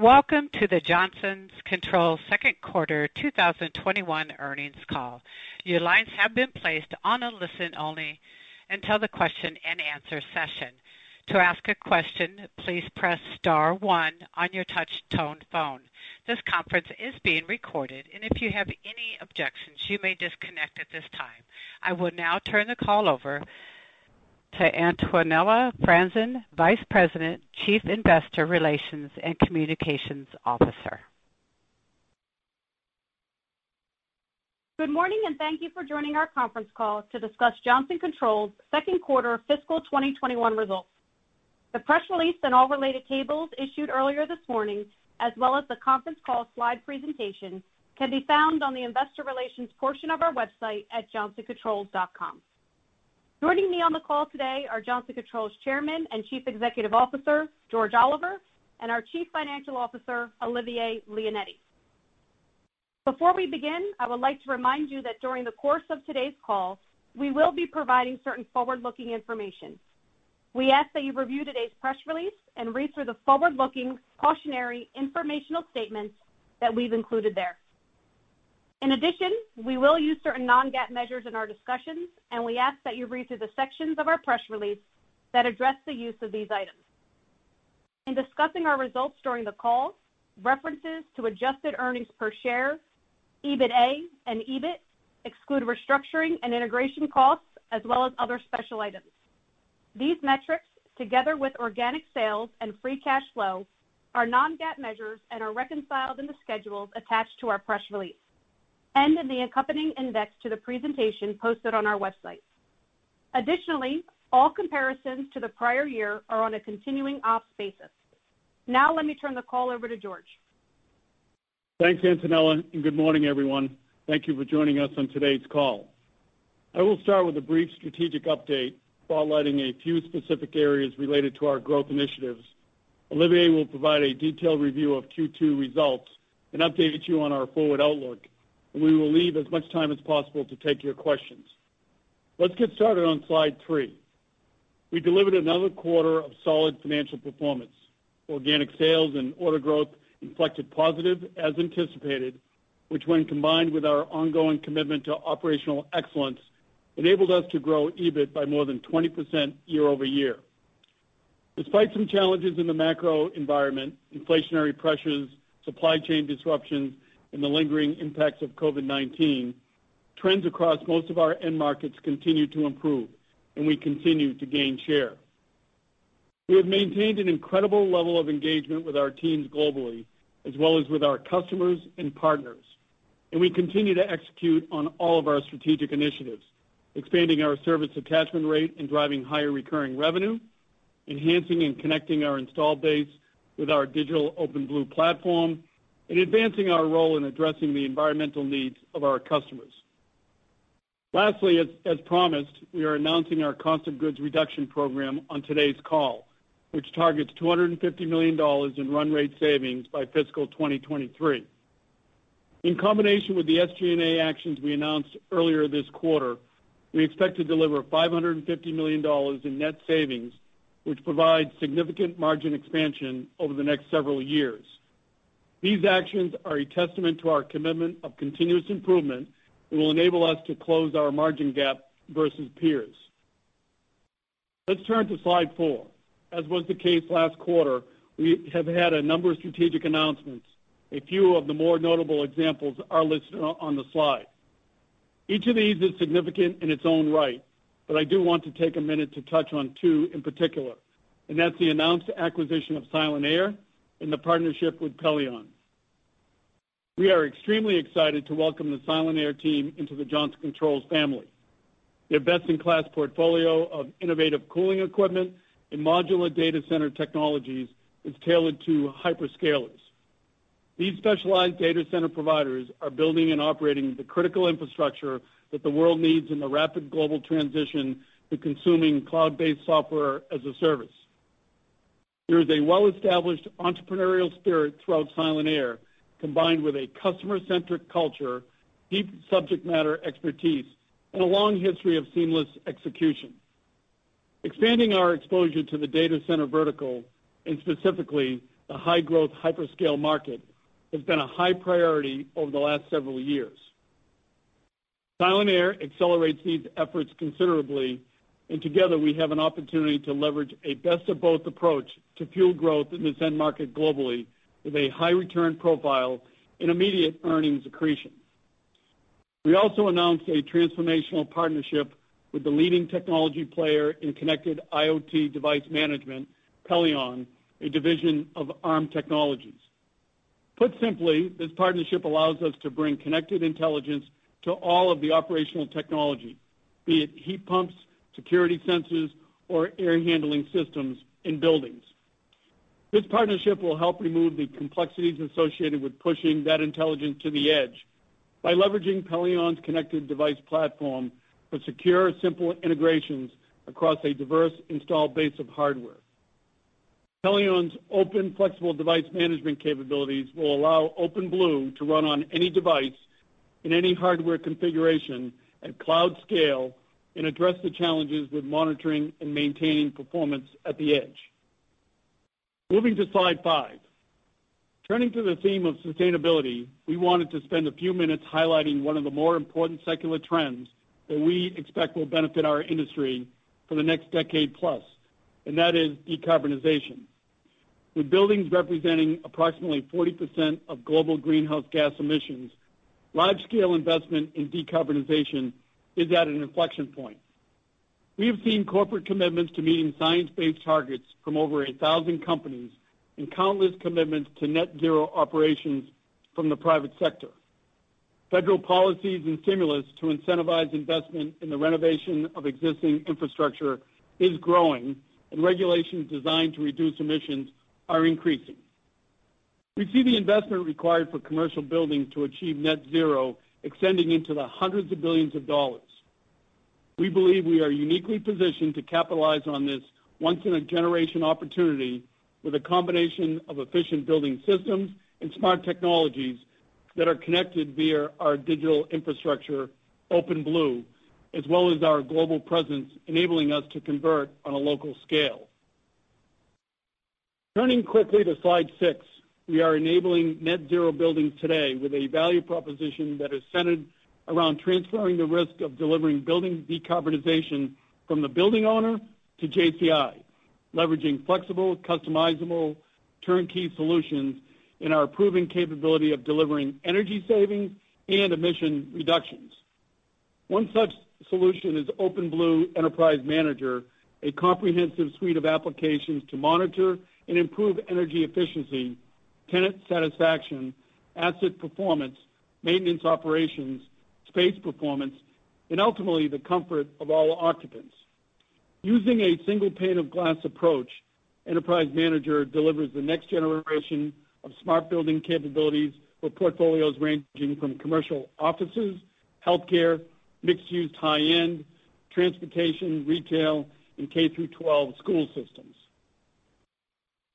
Welcome to the Johnson Controls second quarter 2021 earnings call. Your lines have been placed on a listen-only until the question and answer session. To ask a question, please press star one on your touch tone phone. This conference is being recorded, and if you have any objections, you may disconnect at this time. I will now turn the call over to Antonella Franzen, Vice President, Chief Investor Relations and Communications Officer. Good morning and thank you for joining our conference call to discuss Johnson Controls second quarter fiscal 2021 results. The press release and all related tables issued earlier this morning, as well as the conference call slide presentation, can be found on the investor relations portion of our website at johnsoncontrols.com. Joining me on the call today are Johnson Controls Chairman and Chief Executive Officer George Oliver, and our Chief Financial Officer, Olivier Leonetti. Before we begin, I would like to remind you that during the course of today's call, we will be providing certain forward-looking information. We ask that you review today's press release and read through the forward-looking cautionary informational statements that we've included there. In addition, we will use certain non-GAAP measures in our discussions, and we ask that you read through the sections of our press release that address the use of these items. In discussing our results during the call, references to adjusted earnings per share, EBITDA, and EBIT exclude restructuring and integration costs, as well as other special items. These metrics, together with organic sales and free cash flow, are non-GAAP measures and are reconciled in the schedules attached to our press release and in the accompanying index to the presentation posted on our website. Additionally, all comparisons to the prior year are on a continuing ops basis. Now let me turn the call over to George. Thanks, Antonella, good morning, everyone. Thank you for joining us on today's call. I will start with a brief strategic update spotlighting a few specific areas related to our growth initiatives. Olivier will provide a detailed review of Q2 results and update you on our forward outlook. We will leave as much time as possible to take your questions. Let's get started on slide three. We delivered another quarter of solid financial performance. Organic sales and order growth inflected positive as anticipated, which when combined with our ongoing commitment to operational excellence, enabled us to grow EBIT by more than 20% year-over-year. Despite some challenges in the macro environment, inflationary pressures, supply chain disruptions, and the lingering impacts of COVID-19, trends across most of our end markets continue to improve. We continue to gain share. We have maintained an incredible level of engagement with our teams globally, as well as with our customers and partners. We continue to execute on all of our strategic initiatives, expanding our service attachment rate and driving higher recurring revenue, enhancing and connecting our install base with our digital OpenBlue platform, and advancing our role in addressing the environmental needs of our customers. Lastly, as promised, we are announcing our cost of goods reduction program on today's call, which targets $250 million in run rate savings by fiscal 2023. In combination with the SG&A actions we announced earlier this quarter, we expect to deliver $550 million in net savings, which provides significant margin expansion over the next several years. These actions are a testament to our commitment of continuous improvement and will enable us to close our margin gap versus peers. Let's turn to slide four. As was the case last quarter, we have had a number of strategic announcements. A few of the more notable examples are listed on the slide. Each of these is significant in its own right, but I do want to take a minute to touch on two in particular, and that's the announced acquisition of Silent-Aire and the partnership with Pelion. We are extremely excited to welcome the Silent-Aire team into the Johnson Controls family. Their best-in-class portfolio of innovative cooling equipment and modular data center technologies is tailored to hyperscalers. These specialized data center providers are building and operating the critical infrastructure that the world needs in the rapid global transition to consuming cloud-based software as a service. There is a well-established entrepreneurial spirit throughout Silent-Aire, combined with a customer-centric culture, deep subject matter expertise, and a long history of seamless execution. Expanding our exposure to the data center vertical, and specifically the high-growth hyperscale market, has been a high priority over the last several years. Silent-Aire accelerates these efforts considerably, and together we have an opportunity to leverage a best-of-both approach to fuel growth in this end market globally with a high return profile and immediate earnings accretion. We also announced a transformational partnership with the leading technology player in connected IoT device management, Pelion, a division of Arm Technologies. Put simply, this partnership allows us to bring connected intelligence to all of the operational technology, be it heat pumps, security sensors, or air handling systems in buildings. This partnership will help remove the complexities associated with pushing that intelligence to the edge by leveraging Pelion's connected device platform for secure, simple integrations across a diverse install base of hardware. Pelion's open, flexible device management capabilities will allow OpenBlue to run on any device. In any hardware configuration at cloud scale and address the challenges with monitoring and maintaining performance at the edge. Moving to slide five. Turning to the theme of sustainability, we wanted to spend a few minutes highlighting one of the more important secular trends that we expect will benefit our industry for the next decade plus, and that is decarbonization. With buildings representing approximately 40% of global greenhouse gas emissions, wide-scale investment in decarbonization is at an inflection point. We have seen corporate commitments to meeting science-based targets from over 1,000 companies and countless commitments to net zero operations from the private sector. Federal policies and stimulus to incentivize investment in the renovation of existing infrastructure is growing, and regulations designed to reduce emissions are increasing. We see the investment required for commercial buildings to achieve net zero extending into the hundreds of billions of dollars. We believe we are uniquely positioned to capitalize on this once-in-a-generation opportunity with a combination of efficient building systems and smart technologies that are connected via our digital infrastructure, OpenBlue, as well as our global presence, enabling us to convert on a local scale. Turning quickly to slide six. We are enabling net zero buildings today with a value proposition that is centered around transferring the risk of delivering building decarbonization from the building owner to JCI, leveraging flexible, customizable turnkey solutions in our proven capability of delivering energy savings and emission reductions. One such solution is OpenBlue Enterprise Manager, a comprehensive suite of applications to monitor and improve energy efficiency, tenant satisfaction, asset performance, maintenance operations, space performance, and ultimately, the comfort of all occupants. Using a single pane of glass approach, Enterprise Manager delivers the next generation of smart building capabilities for portfolios ranging from commercial offices, healthcare, mixed-use high-end, transportation, retail, and K through 12 school systems.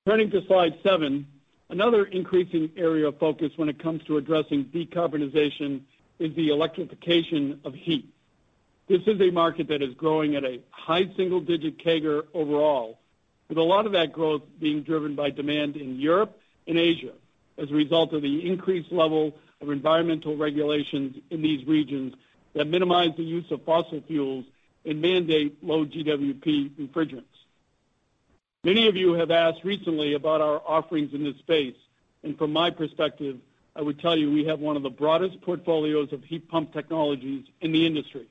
Turning to slide seven. Another increasing area of focus when it comes to addressing decarbonization is the electrification of heat. This is a market that is growing at a high single-digit CAGR overall, with a lot of that growth being driven by demand in Europe and Asia as a result of the increased level of environmental regulations in these regions that minimize the use of fossil fuels and mandate low GWP refrigerants. From my perspective, I would tell you we have one of the broadest portfolios of heat pump technologies in the industry.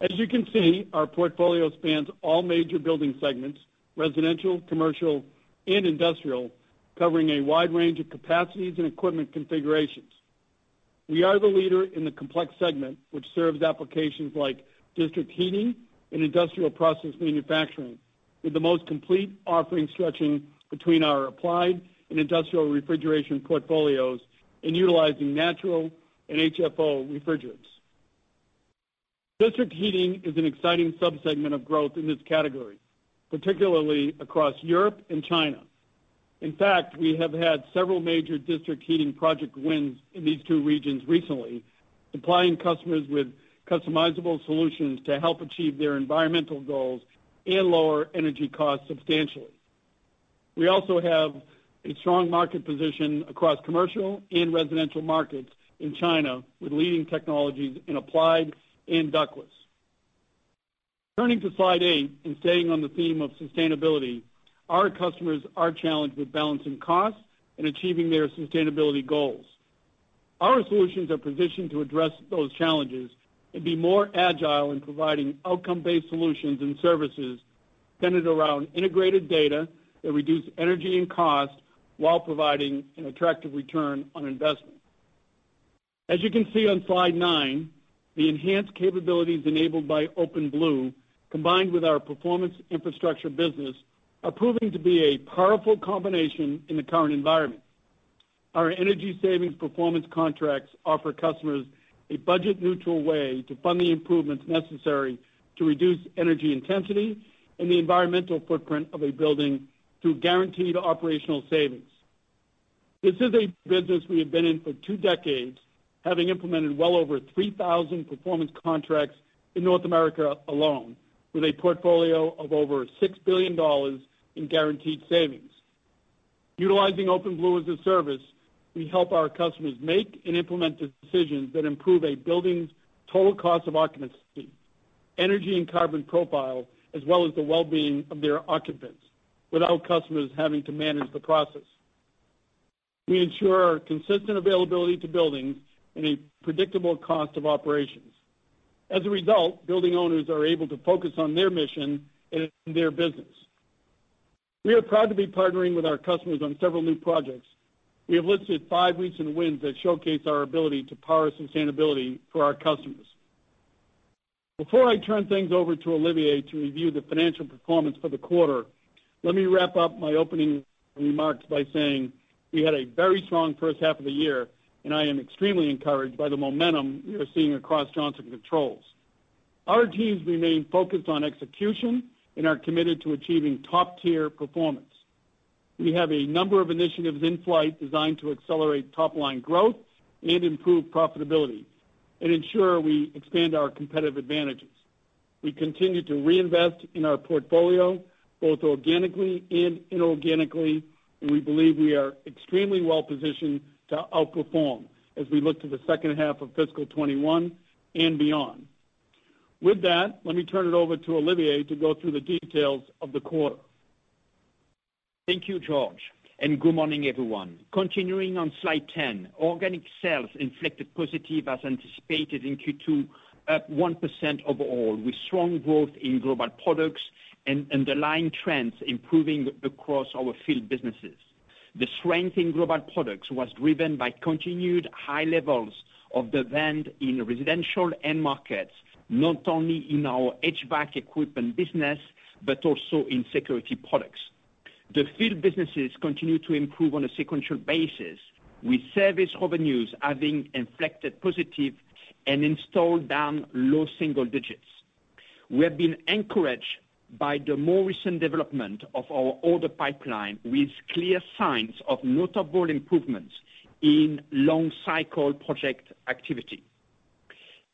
As you can see, our portfolio spans all major building segments, residential, commercial, and industrial, covering a wide range of capacities and equipment configurations. We are the leader in the complex segment, which serves applications like district heating and industrial process manufacturing, with the most complete offering stretching between our applied and industrial refrigeration portfolios in utilizing natural and HFO refrigerants. District heating is an exciting subsegment of growth in this category, particularly across Europe and China. In fact, we have had several major district heating project wins in these two regions recently, supplying customers with customizable solutions to help achieve their environmental goals and lower energy costs substantially. We also have a strong market position across commercial and residential markets in China, with leading technologies in applied and ductless. Turning to slide eight and staying on the theme of sustainability, our customers are challenged with balancing costs and achieving their sustainability goals. Our solutions are positioned to address those challenges and be more agile in providing outcome-based solutions and services centered around integrated data that reduce energy and cost while providing an attractive return on investment. As you can see on slide nine, the enhanced capabilities enabled by OpenBlue, combined with our performance infrastructure business, are proving to be a powerful combination in the current environment. Our energy savings performance contracts offer customers a budget-neutral way to fund the improvements necessary to reduce energy intensity and the environmental footprint of a building through guaranteed operational savings. This is a business we have been in for two decades, having implemented well over 3,000 performance contracts in North America alone, with a portfolio of over $6 billion in guaranteed savings. Utilizing OpenBlue as a service, we help our customers make and implement the decisions that improve a building's total cost of occupancy, energy and carbon profile, as well as the well-being of their occupants without customers having to manage the process. We ensure consistent availability to buildings and a predictable cost of operations. As a result, building owners are able to focus on their mission and their business. We are proud to be partnering with our customers on several new projects. We have listed five recent wins that showcase our ability to power sustainability for our customers. Before I turn things over to Olivier to review the financial performance for the quarter, let me wrap up my opening remarks by saying we had a very strong first half of the year, and I am extremely encouraged by the momentum we are seeing across Johnson Controls. Our teams remain focused on execution and are committed to achieving top-tier performance. We have a number of initiatives in flight designed to accelerate top-line growth and improve profitability and ensure we expand our competitive advantages. We continue to reinvest in our portfolio, both organically and inorganically, and we believe we are extremely well-positioned to outperform as we look to the second half of fiscal 2021 and beyond. With that, let me turn it over to Olivier to go through the details of the quarter. Thank you, George, and good morning, everyone. Continuing on slide 10, organic sales inflected positive as anticipated in Q2, up 1% overall, with strong growth in global products and underlying trends improving across our field businesses. The strength in global products was driven by continued high levels of demand in residential end markets, not only in our HVAC equipment business, but also in security products. The field businesses continue to improve on a sequential basis, with service revenues having inflected positive and installed down low single digits. We have been encouraged by the more recent development of our older pipeline, with clear signs of notable improvements in long-cycle project activity.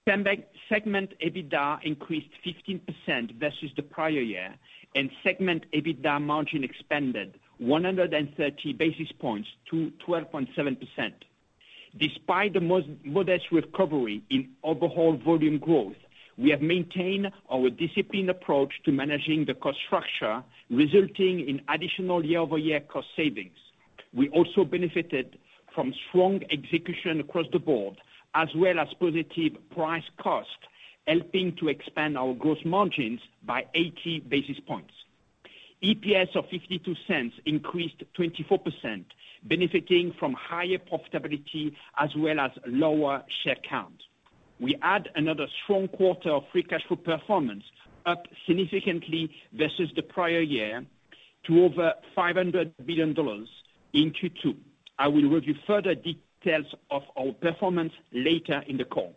Segment EBITDA increased 15% versus the prior year, and segment EBITDA margin expanded 130 basis points to 12.7%. Despite the modest recovery in overall volume growth, we have maintained our disciplined approach to managing the cost structure, resulting in additional year-over-year cost savings. We also benefited from strong execution across the board, as well as positive price cost, helping to expand our gross margins by 80 basis points. EPS of $0.52 increased 24%, benefiting from higher profitability as well as lower share count. We add another strong quarter of free cash flow performance, up significantly versus the prior year to over $500 billion in Q2. I will review further details of our performance later in the call.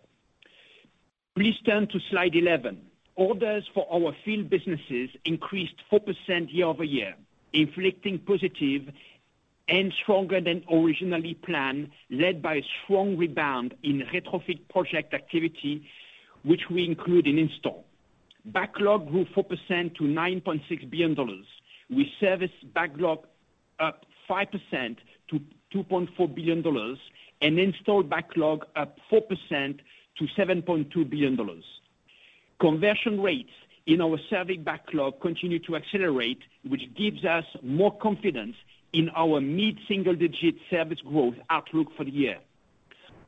Please turn to slide 11. Orders for our field businesses increased 4% year-over-year, inflecting positive and stronger than originally planned, led by a strong rebound in retrofit project activity, which we include in install. Backlog grew 4% to $9.6 billion, with service backlog up 5% to $2.4 billion and installed backlog up 4% to $7.2 billion. Conversion rates in our service backlog continue to accelerate, which gives us more confidence in our mid-single-digit service growth outlook for the year.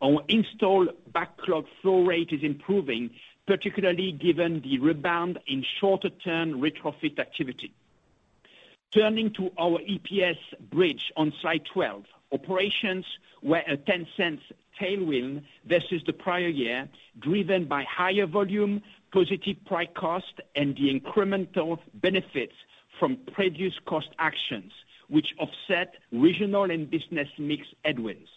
Our installed backlog flow rate is improving, particularly given the rebound in shorter-term retrofit activity. Turning to our EPS bridge on slide 12, operations were a $0.10 tailwind versus the prior year, driven by higher volume, positive price cost, and the incremental benefits from previous cost actions, which offset regional and business mix headwinds.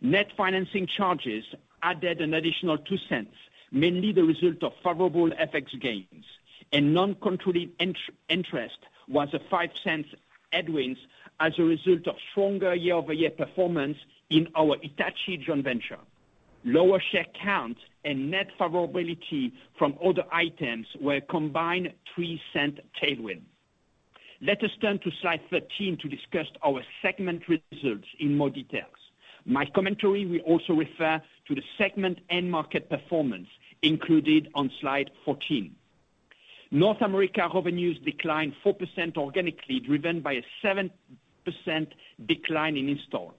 Net financing charges added an additional $0.02, mainly the result of favorable FX gains. Non-controlling interest was a $0.05 headwinds as a result of stronger year-over-year performance in our Hitachi joint venture. Lower share count and net favorability from other items were a combined $0.03 tailwind. Let us turn to slide 13 to discuss our segment results in more details. My commentary will also refer to the segment end market performance included on slide 14. North America revenues declined 4% organically, driven by a 7% decline in install.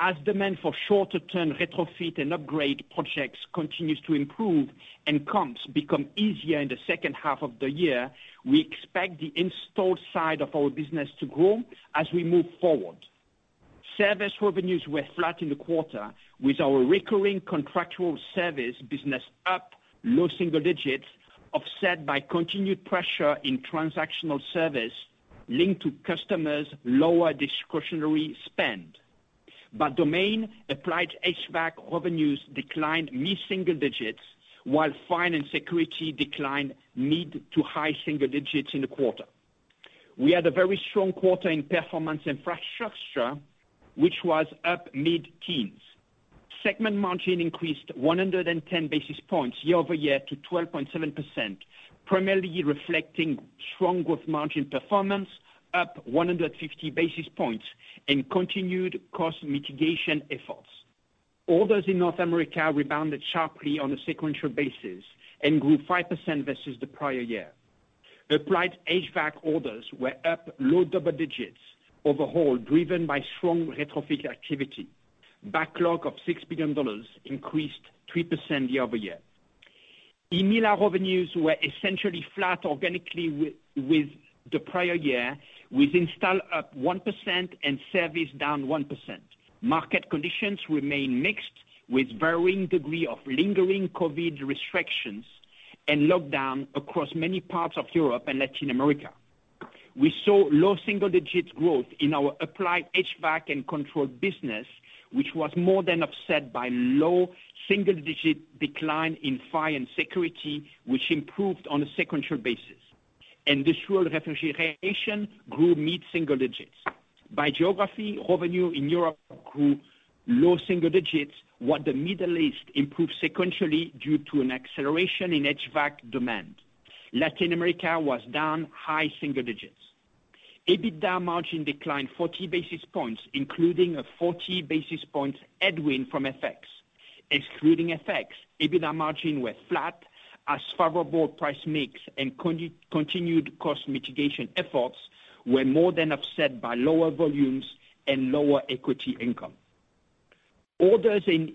As demand for shorter-term retrofit and upgrade projects continues to improve and comps become easier in the second half of the year, we expect the install side of our business to grow as we move forward. Service revenues were flat in the quarter, with our recurring contractual service business up low single digits, offset by continued pressure in transactional service linked to customers' lower discretionary spend. By domain, applied HVAC revenues declined mid-single digits, while fire and security declined mid to high single digits in the quarter. We had a very strong quarter in performance infrastructure, which was up mid-teens. Segment margin increased 110 basis points year-over-year to 12.7%, primarily reflecting strong growth margin performance up 150 basis points and continued cost mitigation efforts. Orders in North America rebounded sharply on a sequential basis and grew 5% versus the prior year. Applied HVAC orders were up low double digits, overall driven by strong retrofit activity. Backlog of $6 billion increased 3% year-over-year. EMEALA revenues were essentially flat organically with the prior year, with install up 1% and service down 1%. Market conditions remain mixed, with varying degree of lingering COVID-19 restrictions and lockdown across many parts of Europe and Latin America. We saw low single-digit growth in our applied HVAC and controlled business, which was more than offset by low single-digit decline in fire and security, which improved on a sequential basis. Industrial refrigeration grew mid-single digits. By geography, revenue in Europe grew low single digits, while the Middle East improved sequentially due to an acceleration in HVAC demand. Latin America was down high single digits. EBITDA margin declined 40 basis points, including a 40 basis points headwind from FX. Excluding FX, EBITDA margin went flat as favorable price mix and continued cost mitigation efforts were more than offset by lower volumes and lower equity income. Orders in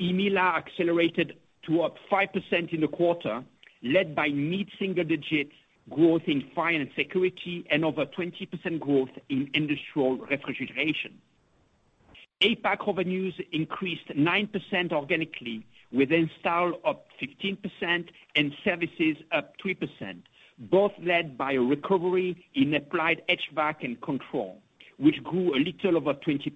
EMEA accelerated to up 5% in the quarter, led by mid-single-digit growth in fire and security and over 20% growth in industrial refrigeration. APAC revenues increased 9% organically, with install up 15% and services up 3%, both led by a recovery in applied HVAC and control, which grew a little over 20%.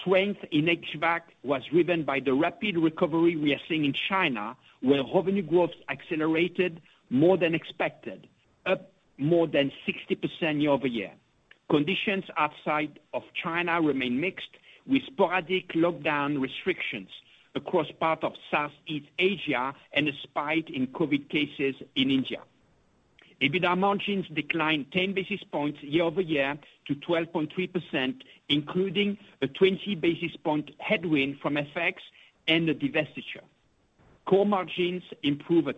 Strength in HVAC was driven by the rapid recovery we are seeing in China, where revenue growth accelerated more than expected, up more than 60% year-over-year. Conditions outside of China remain mixed, with sporadic lockdown restrictions across part of Southeast Asia and a spike in COVID cases in India. EBITDA margins declined 10 basis points year-over-year to 12.3%, including a 20 basis point headwind from FX and the divestiture. Core margins improved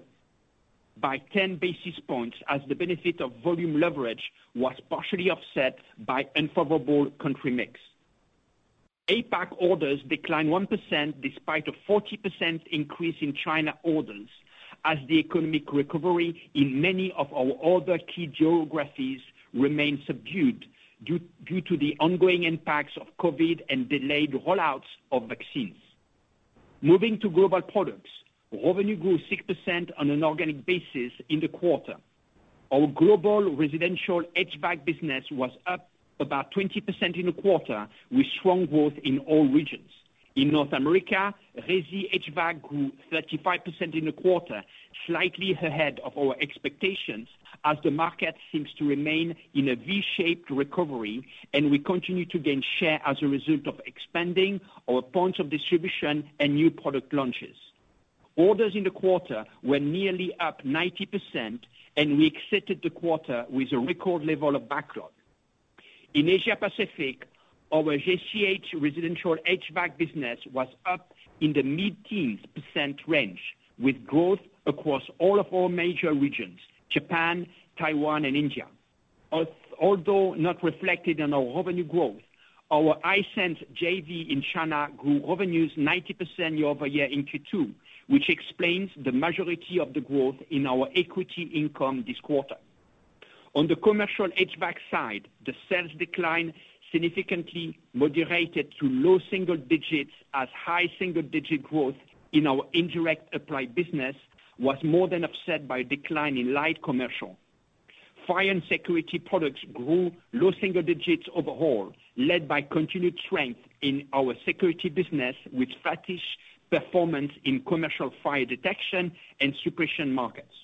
by 10 basis points as the benefit of volume leverage was partially offset by unfavorable country mix. APAC orders declined 1% despite a 40% increase in China orders as the economic recovery in many of our other key geographies remained subdued due to the ongoing impacts of COVID and delayed rollouts of vaccines. Moving to Global Products, revenue grew 6% on an organic basis in the quarter. Our global residential HVAC business was up about 20% in the quarter, with strong growth in all regions. In North America, resi HVAC grew 35% in the quarter, slightly ahead of our expectations as the market seems to remain in a V-shaped recovery, and we continue to gain share as a result of expanding our points of distribution and new product launches. Orders in the quarter were nearly up 90%, and we exited the quarter with a record level of backlog. In Asia Pacific, our JCH residential HVAC business was up in the mid-teens percent range with growth across all of our major regions, Japan, Taiwan, and India. Although not reflected in our revenue growth, our Hitachi JV in China grew revenues 90% year-over-year in Q2, which explains the majority of the growth in our equity income this quarter. On the commercial HVAC side, the sales decline significantly moderated to low single digits as high single-digit growth in our indirect applied business was more than offset by a decline in light commercial. Fire and security products grew low single digits overall, led by continued strength in our security business with flattish performance in commercial fire detection and suppression markets.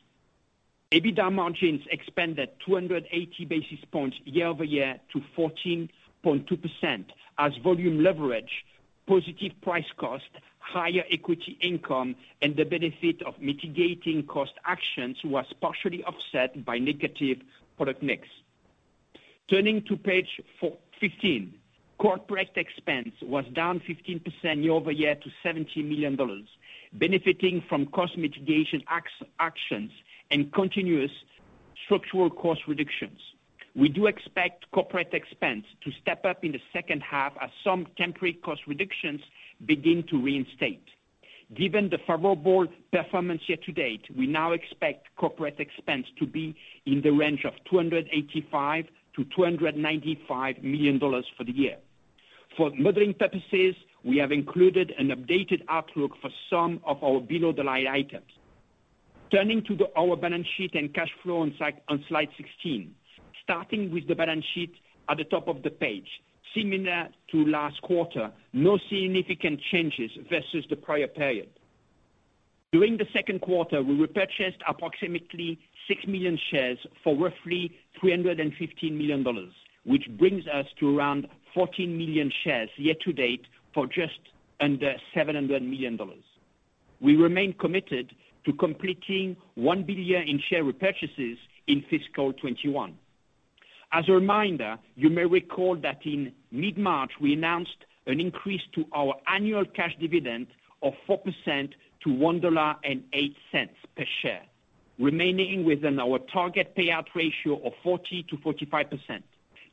EBITDA margins expanded 280 basis points year-over-year to 14.2% as volume leverage, positive price cost, higher equity income, and the benefit of mitigating cost actions was partially offset by negative product mix. Turning to page 15. Corporate expense was down 15% year-over-year to $70 million, benefiting from cost mitigation actions and continuous structural cost reductions. We do expect corporate expense to step up in the second half as some temporary cost reductions begin to reinstate. Given the favorable performance year to date, we now expect corporate expense to be in the range of $285 million-$295 million for the year. For modeling purposes, we have included an updated outlook for some of our below-the-line items. Turning to our balance sheet and cash flow on slide 16. Starting with the balance sheet at the top of the page. Similar to last quarter, no significant changes versus the prior period. During the second quarter, we repurchased approximately six million shares for roughly $315 million, which brings us to around 14 million shares year to date for just under $700 million. We remain committed to completing $1 billion in share repurchases in fiscal 2021. As a reminder, you may recall that in mid-March, we announced an increase to our annual cash dividend of 4% to $1.08 per share, remaining within our target payout ratio of 40%-45%.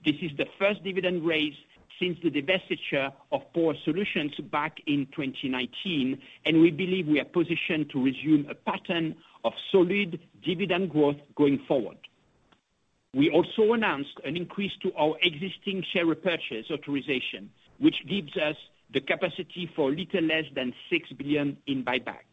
This is the first dividend raise since the divestiture of Power Solutions back in 2019. We believe we are positioned to resume a pattern of solid dividend growth going forward. We also announced an increase to our existing share repurchase authorization, which gives us the capacity for little less than $6 billion in buyback.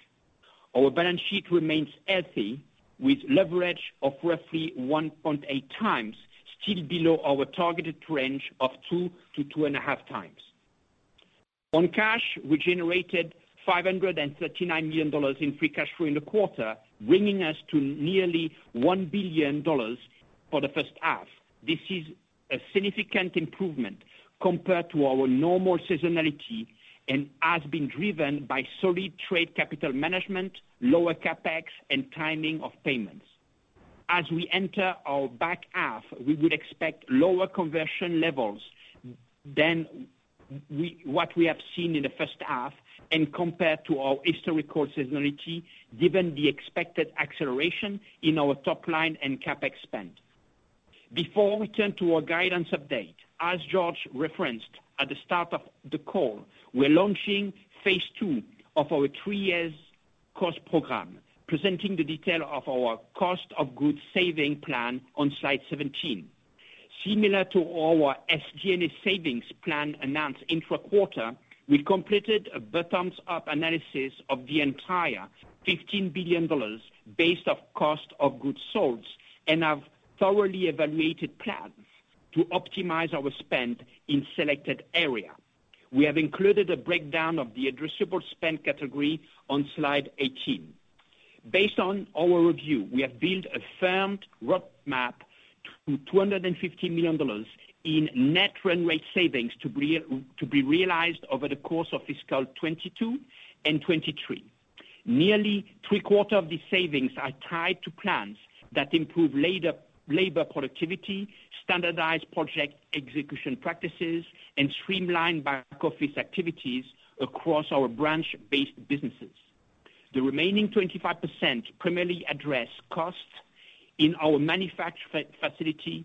Our balance sheet remains healthy with leverage of roughly 1.8x, still below our targeted range of two to two and a half times. On cash, we generated $539 million in free cash flow in the quarter, bringing us to nearly $1 billion for the first half. This is a significant improvement compared to our normal seasonality and has been driven by solid trade capital management, lower CapEx, and timing of payments. As we enter our back half, we would expect lower conversion levels than what we have seen in the first half and compared to our historical seasonality, given the expected acceleration in our top line and CapEx spend. Before we turn to our guidance update, as George referenced at the start of the call, we're launching phase 2 of our three-year cost program, presenting the detail of our cost of goods savings plan on slide 17. Similar to our SG&A savings plan announced intra-quarter, we completed a bottoms-up analysis of the entire $15 billion base of cost of goods sold and have thoroughly evaluated a plan to optimize our spend in selected areas. We have included a breakdown of the addressable spend category on slide 18. Based on our review, we have built a firm roadmap to $250 million in net run rate savings to be realized over the course of fiscal 2022 and 2023. Nearly three-quarter of these savings are tied to plans that improve labor productivity, standardized project execution practices, and streamline back-office activities across our branch-based businesses. The remaining 25% primarily address costs in our manufacturing facility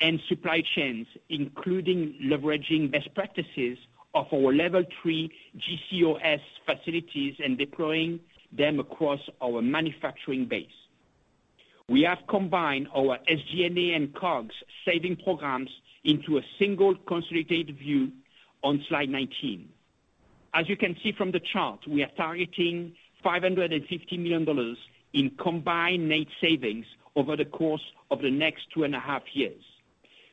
and supply chains, including leveraging best practices of our level 3 GCOS facilities and deploying them across our manufacturing base. We have combined our SG&A and COGS saving programs into a single consolidated view on slide 19. As you can see from the chart, we are targeting $550 million in combined net savings over the course of the next two and a half years,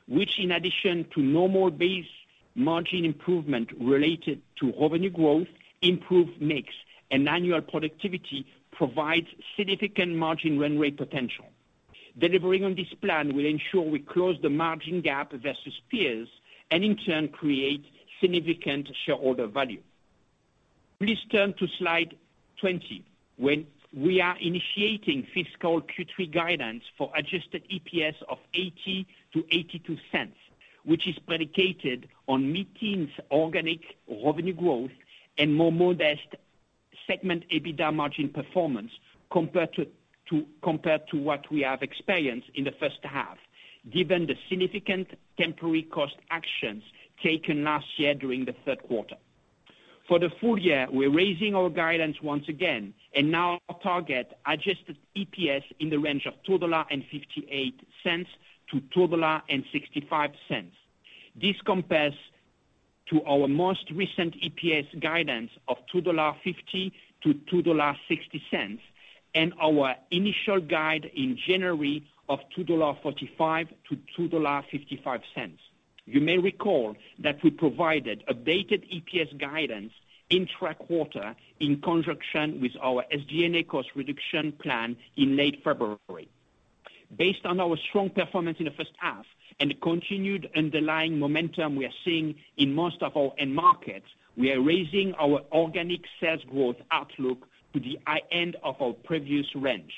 which in addition to normal base margin improvement related to revenue growth, improved mix, and annual productivity, provides significant margin run rate potential. Delivering on this plan will ensure we close the margin gap versus peers and in turn creates significant shareholder value. Please turn to slide 20. We are initiating fiscal Q3 guidance for adjusted EPS of $0.80-$0.82, which is predicated on mid-teens organic revenue growth and more modest segment EBITDA margin performance compared to what we have experienced in the first half, given the significant temporary cost actions taken last year during the third quarter. For the full year, we're raising our guidance once again and now target adjusted EPS in the range of $2.58-$2.65. This compares to our most recent EPS guidance of $2.50-$2.60, and our initial guide in January of $2.45-$2.55. You may recall that we provided updated EPS guidance intra-quarter in conjunction with our SG&A cost reduction plan in late February. Based on our strong performance in the first half and the continued underlying momentum we are seeing in most of our end markets, we are raising our organic sales growth outlook to the high end of our previous range.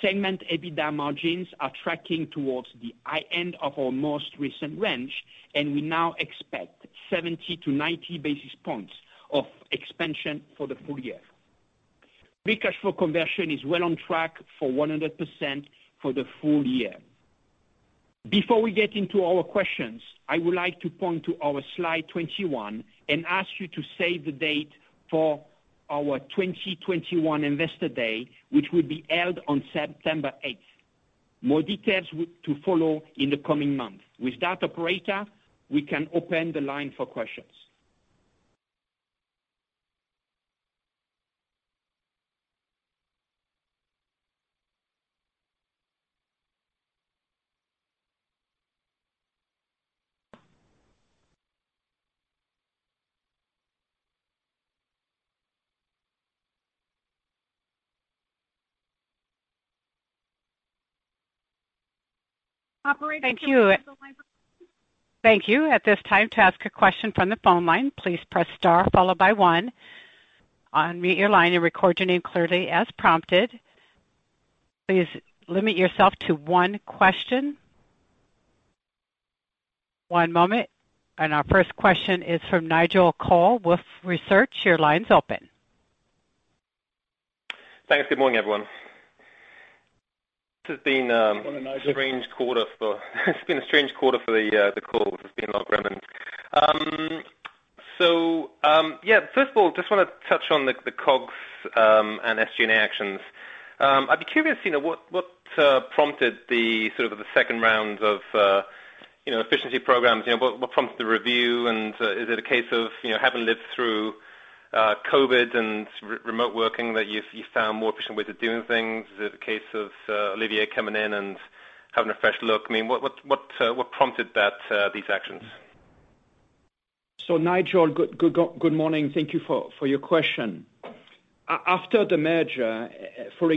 Segment EBITDA margins are tracking towards the high end of our most recent range, and we now expect 70-90 basis points of expansion for the full year. Free cash flow conversion is well on track for 100% for the full year. Before we get into our questions, I would like to point to our slide 21 and ask you to save the date for our 2021 Investor Day, which will be held on September 8th. More details to follow in the coming month. With that, operator, we can open the line for questions. Operator. Thank you. Thank you. At this time, to ask a question from the phone line, please press star followed by one. Unmute your line and record your name clearly as prompted. Please limit yourself to one question. One moment, Our first question is from Nigel Coe with Wolfe Research. Your line's open. Thanks. Good morning, everyone. This has been a- Morning, Nigel. strange quarter for the quarter. It's been like remnants. Yeah, first of all, just want to touch on the COGS, and SG&A actions. I'd be curious what prompted the sort of the second round of efficiency programs, what prompted the review, and is it a case of having lived through COVID and remote working that you found more efficient ways of doing things? Is it a case of Olivier coming in and having a fresh look? What prompted these actions? Nigel, good morning. Thank you for your question. Following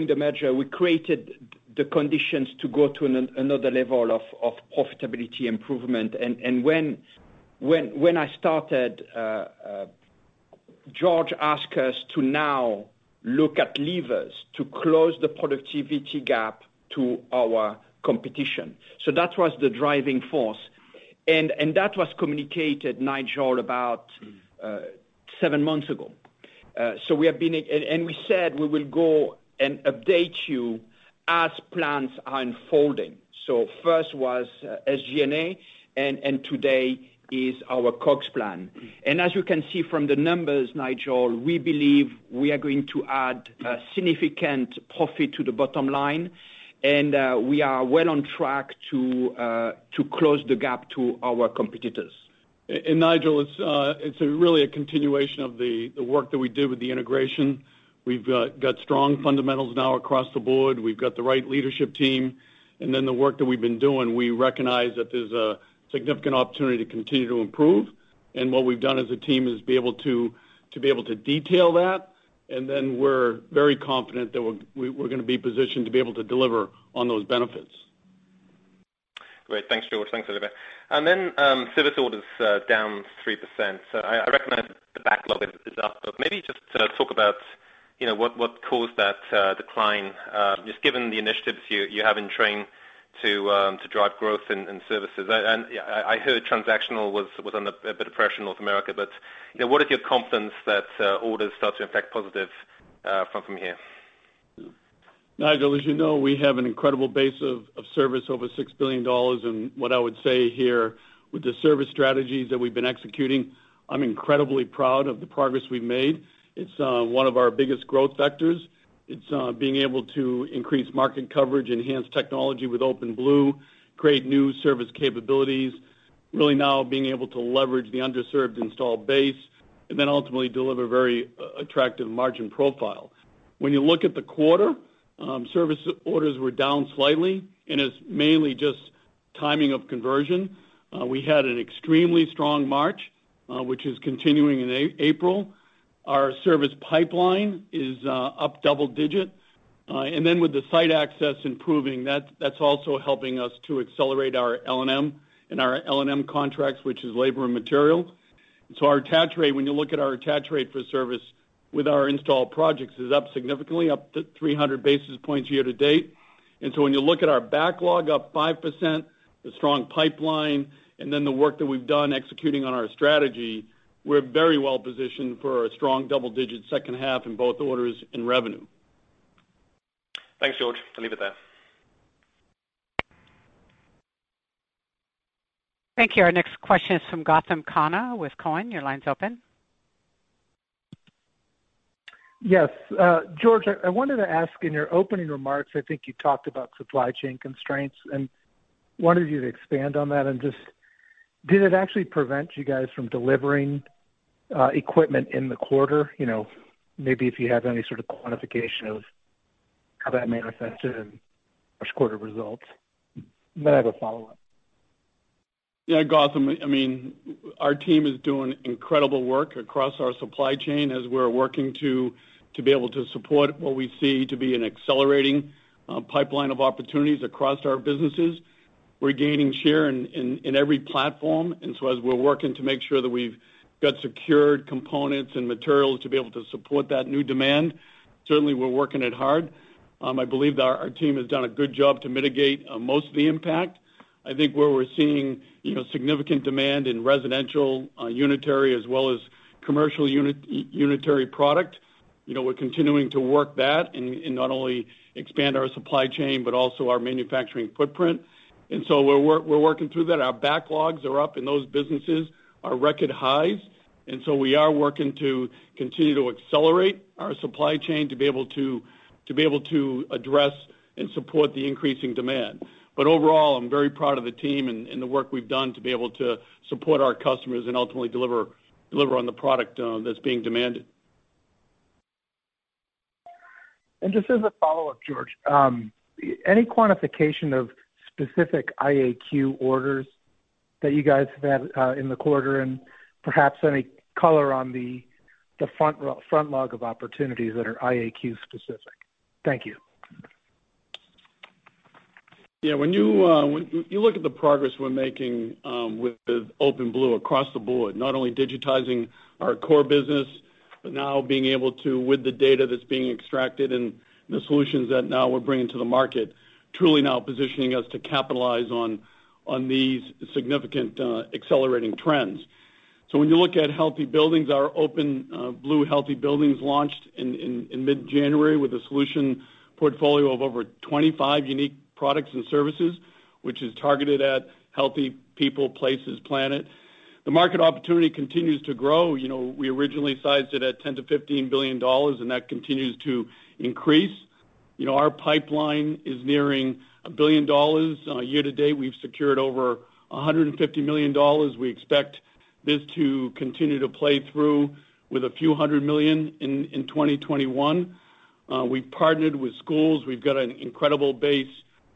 the merger, we created the conditions to go to another level of profitability improvement. When I started, George asked us to now look at levers to close the productivity gap to our competition. That was the driving force, and that was communicated, Nigel, about seven months ago. We said we will go and update you as plans are unfolding. First was SG&A, and today is our COGS plan. As you can see from the numbers, Nigel, we believe we are going to add a significant profit to the bottom line, and we are well on track to close the gap to our competitors. Nigel, it's really a continuation of the work that we did with the integration. We've got strong fundamentals now across the board. We've got the right leadership team. The work that we've been doing, we recognize that there's a significant opportunity to continue to improve. What we've done as a team is to be able to detail that, and then we're very confident that we're going to be positioned to be able to deliver on those benefits. Great. Thanks, George. Thanks, Olivier. Service orders are down 3%. I recognize the backlog is up. Maybe just sort of talk about what caused that decline, just given the initiatives you have in train to drive growth in services. I heard transactional was under a bit of pressure in North America. What is your confidence that orders start to impact positive from here? Nigel, as you know, we have an incredible base of service, over $6 billion. What I would say here, with the service strategies that we've been executing, I'm incredibly proud of the progress we've made. It's one of our biggest growth vectors. It's being able to increase market coverage, enhance technology with OpenBlue, create new service capabilities, really now being able to leverage the underserved installed base, ultimately deliver a very attractive margin profile. When you look at the quarter, service orders were down slightly, it's mainly just timing of conversion. We had an extremely strong March, which is continuing in April. Our service pipeline is up double digits. With the site access improving, that's also helping us to accelerate our L&M and our L&M contracts, which is labor and material. Our attach rate, when you look at our attach rate for service with our installed projects, is up significantly, up to 300 basis points year to date. When you look at our backlog up 5%, the strong pipeline, and then the work that we've done executing on our strategy, we're very well positioned for a strong double-digit second half in both orders and revenue. Thanks, George. I'll leave it there. Thank you. Our next question is from Gautam Khanna with Cowen. Your line's open. Yes. George, I wanted to ask, in your opening remarks, I think you talked about supply chain constraints, and wanted you to expand on that and just did it actually prevent you guys from delivering equipment in the quarter? Maybe if you have any sort of quantification of how that manifested in first quarter results. I have a follow-up. Yeah, Gautam, our team is doing incredible work across our supply chain as we're working to be able to support what we see to be an accelerating pipeline of opportunities across our businesses. We're gaining share in every platform. As we're working to make sure that we've got secured components and materials to be able to support that new demand, certainly we're working it hard. I believe that our team has done a good job to mitigate most of the impact. I think where we're seeing significant demand in residential unitary as well as commercial unitary product. We're continuing to work that and not only expand our supply chain, but also our manufacturing footprint. We're working through that. Our backlogs are up in those businesses are record highs, we are working to continue to accelerate our supply chain to be able to address and support the increasing demand. Overall, I'm very proud of the team and the work we've done to be able to support our customers and ultimately deliver on the product that's being demanded. Just as a follow-up, George, any quantification of specific IAQ orders that you guys have had in the quarter and perhaps any color on the front log of opportunities that are IAQ specific? Thank you. When you look at the progress we're making with OpenBlue across the board, not only digitizing our core business, but now being able to, with the data that's being extracted and the solutions that now we're bringing to the market, truly now positioning us to capitalize on these significant accelerating trends. When you look at healthy buildings, our OpenBlue Healthy Buildings launched in mid-January with a solution portfolio of over 25 unique products and services, which is targeted at healthy people, places, planet. The market opportunity continues to grow. We originally sized it at $10 billion-$15 billion, and that continues to increase. Our pipeline is nearing $1 billion. Year to date, we've secured over $150 million. We expect this to continue to play through with $a few hundred million in 2021. We've partnered with schools. We've got an incredible base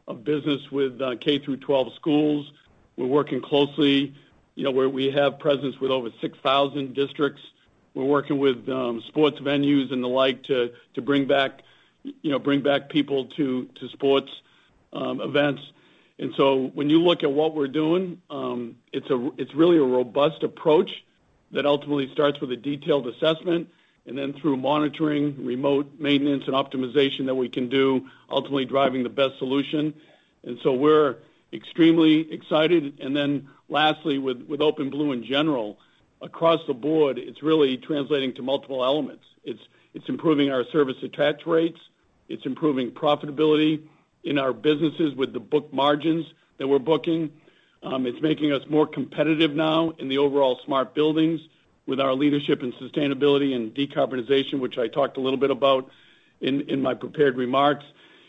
of business with K through 12 schools. We're working closely where we have presence with over 6,000 districts. We're working with sports venues and the like to bring back people to sports events. When you look at what we're doing, it's really a robust approach that ultimately starts with a detailed assessment, and then through monitoring, remote maintenance, and optimization that we can do, ultimately driving the best solution. We're extremely excited. Lastly, with OpenBlue in general, across the board, it's really translating to multiple elements. It's improving our service attach rates. It's improving profitability in our businesses with the book margins that we're booking. It's making us more competitive now in the overall smart buildings with our leadership in sustainability and decarbonization, which I talked a little bit about in my prepared remarks.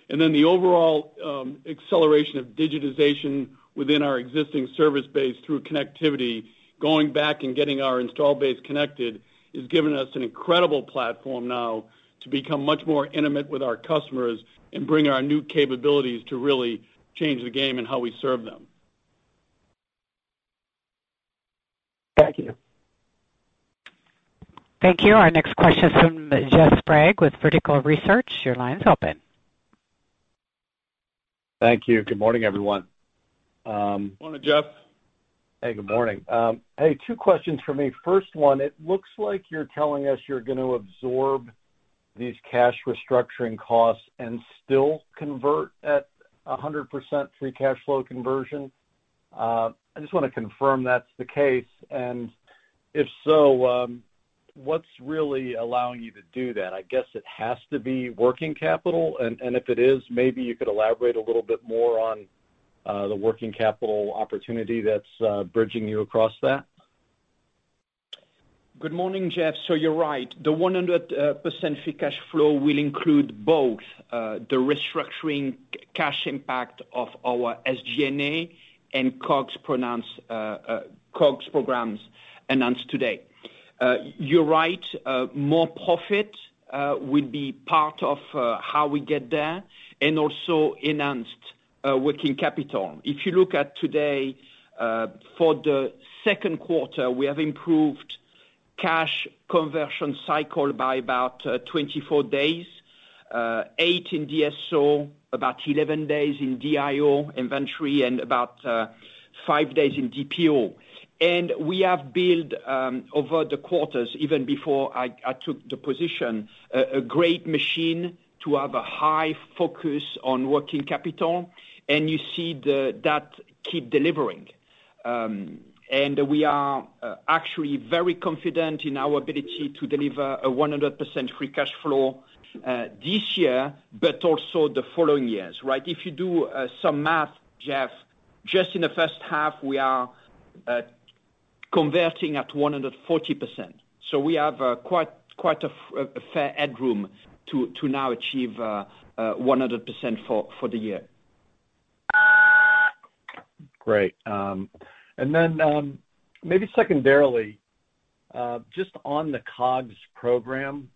The overall acceleration of digitization within our existing service base through connectivity. Going back and getting our install base connected has given us an incredible platform now to become much more intimate with our customers and bring our new capabilities to really change the game in how we serve them. Thank you. Thank you. Our next question is from Jeff Sprague with Vertical Research. Your line is open. Thank you. Good morning, everyone. Morning, Jeff. Hey, good morning. Hey, two questions from me. First one, it looks like you're telling us you're going to absorb these cash restructuring costs and still convert at 100% free cash flow conversion. I just want to confirm that's the case. If so, what's really allowing you to do that? I guess it has to be working capital. If it is, maybe you could elaborate a little bit more on the working capital opportunity that's bridging you across that. Good morning, Jeff. You're right. The 100% free cash flow will include both the restructuring cash impact of our SG&A and COGS programs announced today. You're right. More profit will be part of how we get there and also enhanced working capital. If you look at today for the second quarter, we have improved cash conversion cycle by about 24 days, eight in DSO, about 11 days in DIO inventory, and about five days in DPO. We have built, over the quarters, even before I took the position, a great machine to have a high focus on working capital, and you see that keep delivering. We are actually very confident in our ability to deliver a 100% free cash flow this year, but also the following years, right? If you do some math, Jeff, just in the first half, we are converting at 140%. We have quite a fair headroom to now achieve 100% for the year. Great. Maybe secondarily, just on the COGS program,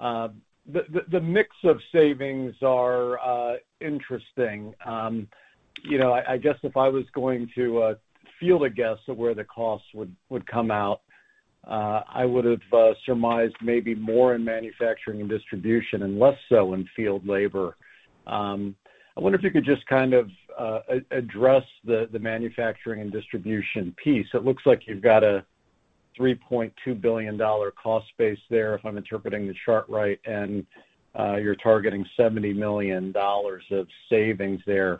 the mix of savings are interesting. I guess if I was going to field a guess at where the costs would come out, I would have surmised maybe more in manufacturing and distribution and less so in field labor. I wonder if you could just kind of address the manufacturing and distribution piece. It looks like you've got a $3.2 billion cost base there, if I'm interpreting the chart right, and you're targeting $70 million of savings there.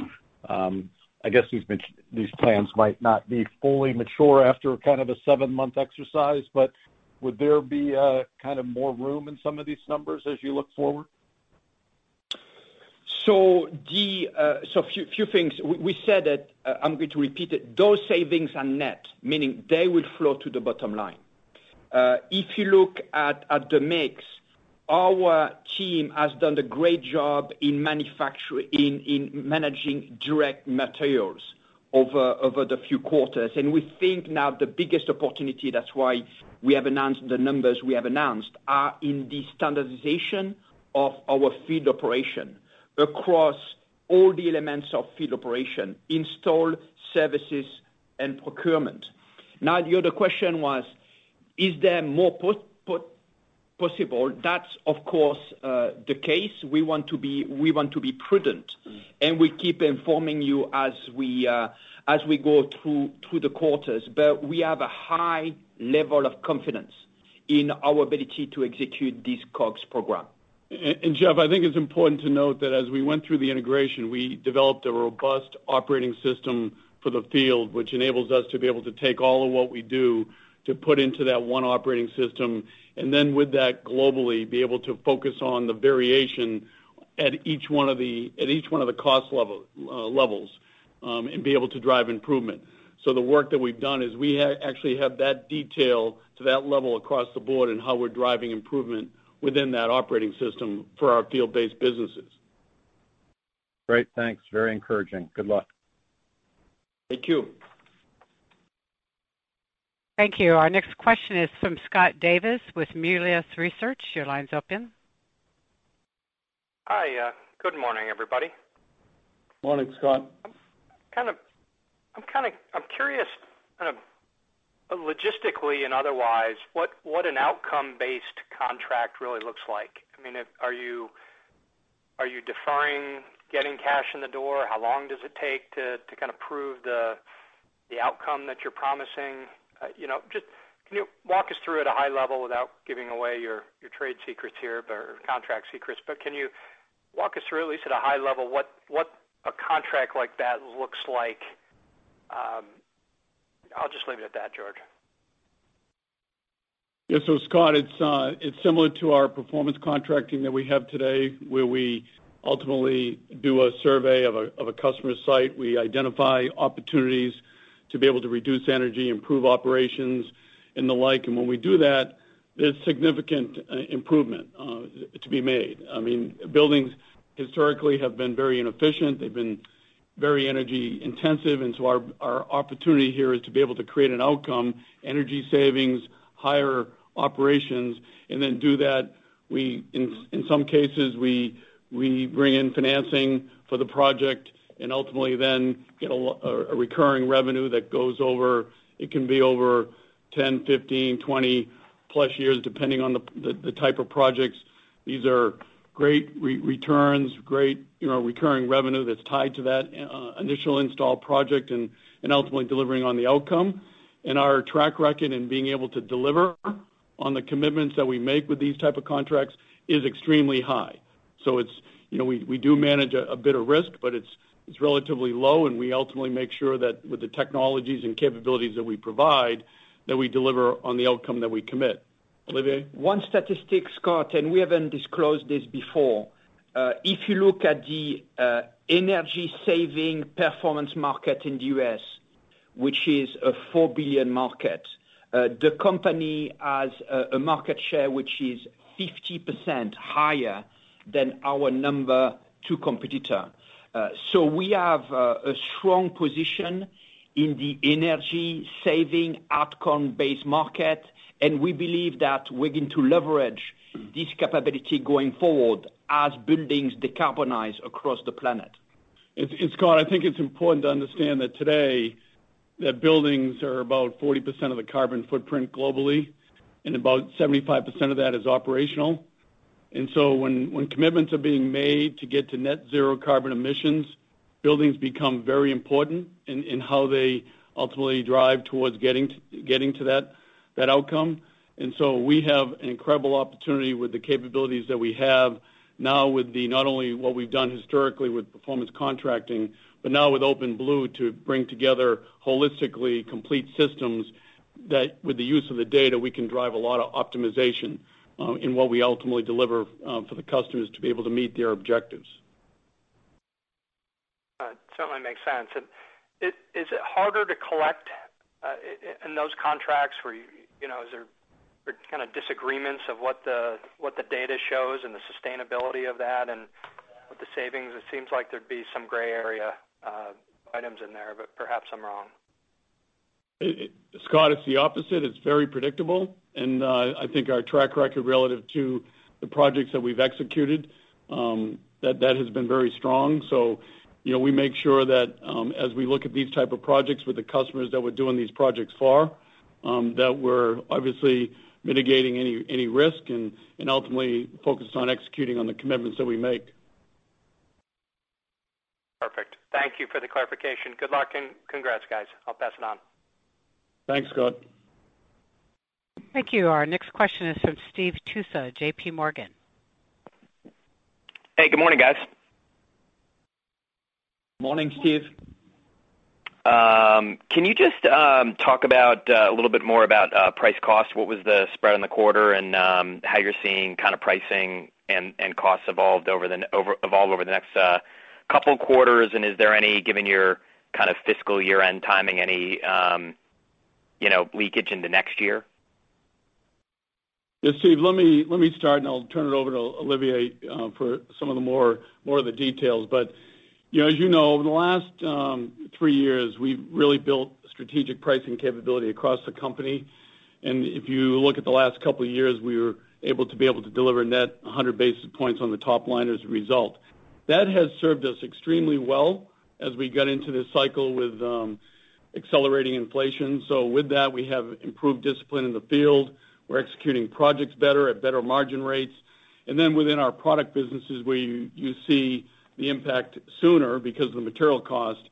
I guess these plans might not be fully mature after kind of a seven-month exercise, but would there be kind of more room in some of these numbers as you look forward? Few things. We said that, I'm going to repeat it, those savings are net, meaning they will flow to the bottom line. If you look at the mix, our team has done a great job in managing direct materials over the few quarters. We think now the biggest opportunity, that's why we have announced the numbers we have announced, are in the standardization of our field operation across all the elements of field operation: install, services, and procurement. The other question was, is there more possible? That's, of course, the case. We want to be prudent, we keep informing you as we go through the quarters. We have a high level of confidence in our ability to execute this COGS program. Jeff, I think it's important to note that as we went through the integration, we developed a robust operating system for the field, which enables us to be able to take all of what we do to put into that one operating system, and then with that globally, be able to focus on the variation at each one of the cost levels, and be able to drive improvement. The work that we've done is we actually have that detail to that level across the board and how we're driving improvement within that operating system for our field-based businesses. Great, thanks. Very encouraging. Good luck. Thank you. Thank you. Our next question is from Scott Davis with Melius Research. Your line's open. Hi. Good morning, everybody. Morning, Scott. I'm curious, logistically and otherwise, what an outcome-based contract really looks like. Are you deferring getting cash in the door? How long does it take to prove the outcome that you're promising? Can you walk us through at a high level without giving away your trade secrets here, or contract secrets, but can you walk us through, at least at a high level, what a contract like that looks like? I'll just leave it at that, George. Yes, Scott, it's similar to our performance contracting that we have today, where we ultimately do a survey of a customer site. We identify opportunities to be able to reduce energy, improve operations, and the like. When we do that, there's significant improvement to be made. Buildings historically have been very inefficient. They've been very energy intensive. Our opportunity here is to be able to create an outcome, energy savings, higher operations, and then do that. In some cases, we bring in financing for the project ultimately get a recurring revenue that goes over. It can be over 10, 15, 20-plus years, depending on the type of projects. These are great returns, great recurring revenue that's tied to that initial install project and ultimately delivering on the outcome. Our track record in being able to deliver on the commitments that we make with these type of contracts is extremely high. We do manage a bit of risk, but it's relatively low, and we ultimately make sure that with the technologies and capabilities that we provide, that we deliver on the outcome that we commit. Olivier? One statistic, Scott, and we haven't disclosed this before. If you look at the energy saving performance market in the U.S., which is a $4 billion market, the company has a market share which is 50% higher than our number 2 competitor. We have a strong position in the energy saving outcome-based market, and we believe that we're going to leverage this capability going forward as buildings decarbonize across the planet. Scott, I think it's important to understand that today, that buildings are about 40% of the carbon footprint globally, and about 75% of that is operational. When commitments are being made to get to net zero carbon emissions, buildings become very important in how they ultimately drive towards getting to that outcome. We have an incredible opportunity with the capabilities that we have now with not only what we've done historically with performance contracting, but now with OpenBlue to bring together holistically complete systems that, with the use of the data, we can drive a lot of optimization in what we ultimately deliver for the customers to be able to meet their objectives. It certainly makes sense. Is it harder to collect in those contracts? Is there disagreements of what the data shows and the sustainability of that and with the savings? It seems like there'd be some gray area items in there, but perhaps I'm wrong. Scott, it's the opposite. It's very predictable. I think our track record relative to the projects that we've executed, that has been very strong. We make sure that, as we look at these type of projects with the customers that we're doing these projects for, that we're obviously mitigating any risk and ultimately focused on executing on the commitments that we make. Perfect. Thank you for the clarification. Good luck and congrats, guys. I'll pass it on. Thanks, Scott. Thank you. Our next question is from Steve Tusa, JPMorgan. Hey, good morning, guys. Morning, Steve. Can you just talk a little bit more about price cost? What was the spread on the quarter, and how you're seeing pricing and costs evolve over the next couple quarters, and is there any, given your fiscal year-end timing, any leakage into next year? Yeah, Steve, let me start. I'll turn it over to Olivier for some of the more of the details. As you know, over the last three years, we've really built strategic pricing capability across the company. If you look at the last couple of years, we were able to deliver net 100 basis points on the top line as a result. That has served us extremely well as we got into this cycle with accelerating inflation. With that, we have improved discipline in the field. We're executing projects better at better margin rates. Within our product businesses, where you see the impact sooner because of the material cost,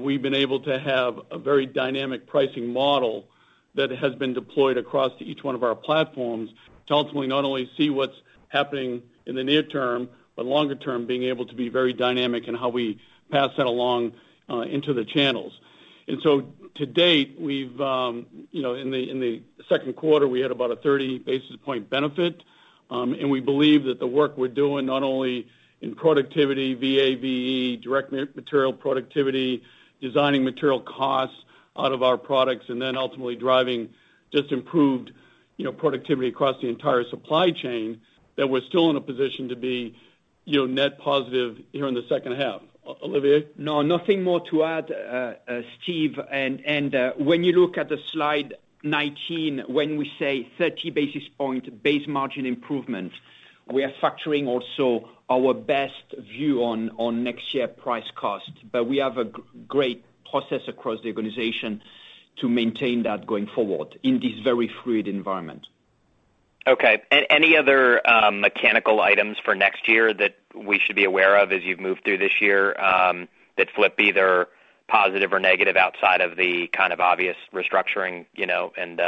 we've been able to have a very dynamic pricing model that has been deployed across each one of our platforms to ultimately not only see what's happening in the near term, but longer term, being able to be very dynamic in how we pass that along into the channels. To date, in the second quarter, we had about a 30 basis point benefit. We believe that the work we're doing, not only in productivity, VAVE, direct material productivity, designing material costs out of our products, and then ultimately driving just improved productivity across the entire supply chain, that we're still in a position to be net positive here in the second half. Olivier? No, nothing more to add, Steve. When you look at the slide 19, when we say 30 basis point base margin improvement, we are factoring also our best view on next year price cost. We have a great process across the organization to maintain that going forward in this very fluid environment. Any other mechanical items for next year that we should be aware of as you've moved through this year, that flip either positive or negative outside of the kind of obvious restructuring and